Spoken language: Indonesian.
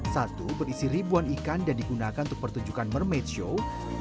satu berisi ribuan ikan dan digunakan untuk pertunjukan mermade show